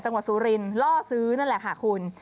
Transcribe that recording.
สุรินล่อซื้อนั่นแหละค่ะคุณ